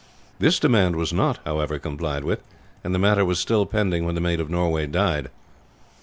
This demand was not, however, complied with, and the matter was still pending when the Maid of Norway died.